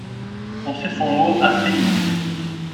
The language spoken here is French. On sait son mot à Cellini.